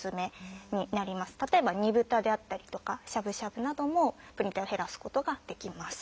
例えば煮豚であったりとかしゃぶしゃぶなどもプリン体を減らすことができます。